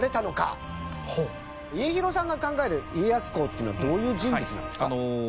家広さんが考える家康公っていうのはどういう人物なんですか？